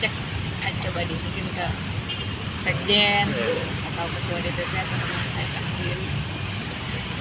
coba di mungkin ke sekjen atau ke ketua dpp atau ke mas kaisang sendiri